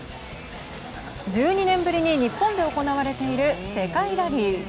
１２年ぶりに日本で行われている世界ラリー。